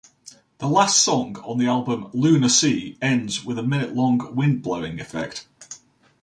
The last song on the album, "Lunar Sea", ends with a minute-long wind-blowing effect.